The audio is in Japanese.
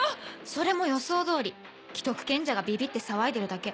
それも予想通り既得権者がビビって騒いでるだけ。